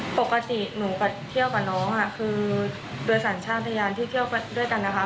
ปกติหนูกับเที่ยวกับน้องคือโดยสัญชาติพยานที่เที่ยวด้วยกันนะคะ